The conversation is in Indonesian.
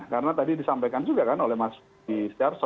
karena tadi disampaikan juga kan oleh mas dwi sjarso